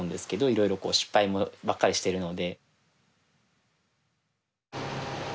いろいろこう失敗ばっかりしてるので。